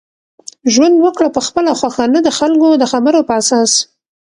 ژوند وکړه په خپله خوښه نه دخلکو دخبرو په اساس